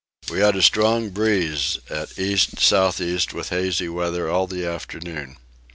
We had a strong breeze at east south east with hazy weather all the afternoon.